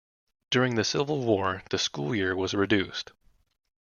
During the Civil War, the school year was reduced.